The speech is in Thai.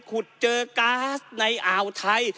ขุดเจอก๊าซในอ่าวไทย